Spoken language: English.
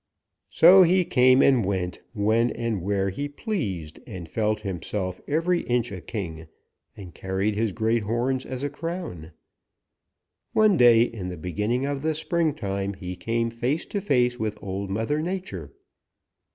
"So he came and went when and where he pleased and felt himself every inch a king and carried his great horns as a crown. One day in the beginning of the springtime, he came face to face with Old Mother Nature.